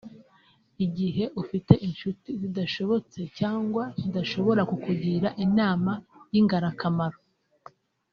igihe ufite inshuti zidashobotse cyangwa zidashobora kukugira inama y’ingarakamaro